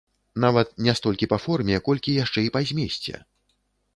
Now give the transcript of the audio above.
Нават не столькі па форме, колькі яшчэ і па змесце.